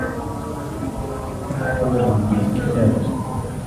مَحْفُوظًا بِالْكِتَابَةِ